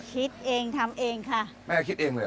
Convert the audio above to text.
คิดเองทำเองค่ะแม่คิดเองเลยเห